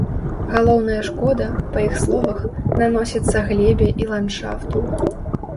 Галоўная шкода, па іх словах, наносіцца глебе і ландшафту.